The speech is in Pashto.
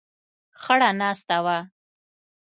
خړه ناسته وه.